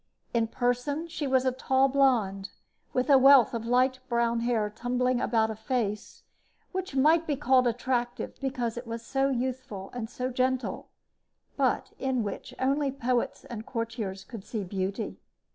In person she was a tall blonde, with a wealth of light brown hair tumbling about a face which might be called attractive because it was so youthful and so gentle, but in which only poets and courtiers could see beauty.